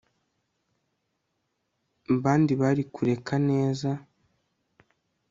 abandi bari kureka neza